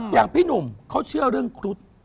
อย่างพี่หนุ่มเขาเชื่อเรื่องครุฑ